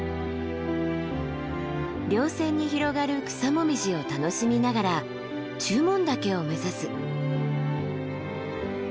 稜線に広がる草紅葉を楽しみながら中門岳を目指す。